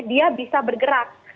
dia bisa bergerak